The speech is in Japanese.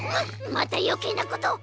またよけいなことを！